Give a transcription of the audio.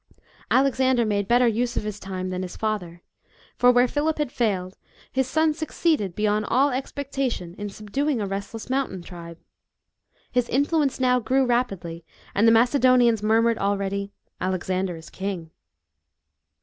Alexander made better use of his time than his father ; for where Philip had failed, his son succeeded beyond all expectation,, in sub duing a restless mountain tribe. His influence now grew rapidly, and the Macedonian^ murmured already, " Alexander is king."